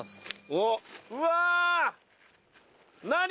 おっうわ！